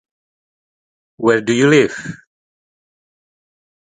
In this circuit, the combinational logic consists of the inverter.